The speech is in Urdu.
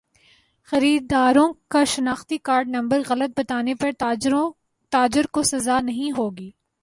خریداروں کا شناختی کارڈ نمبر غلط بتانے پر تاجر کو سزا نہیں ہوگی